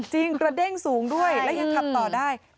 กระเด้งสูงด้วยและยังขับต่อได้